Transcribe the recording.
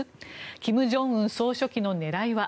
金正恩総書記の狙いは。